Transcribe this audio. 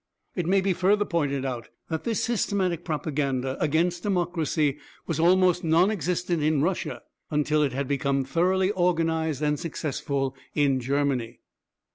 It may be further pointed out that this systematic propaganda against democracy was almost non existent in Russia until it had become thoroughly organised and successful in Germany.